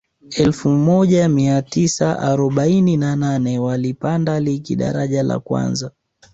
elfu moja mia tisa arobaini na nane walipanda ligi daraja la kwanza